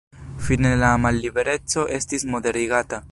Fine la mallibereco estis moderigata.